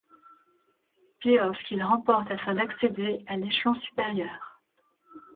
Playoffs, qu'ils remportent afin d'accéder à l'échelon supérieur.